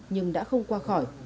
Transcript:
nhưng đã không qua khỏi